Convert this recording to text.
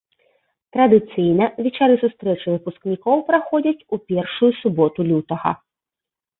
Традыцыйна вечары сустрэчы выпускнікоў праходзяць у першую суботу лютага.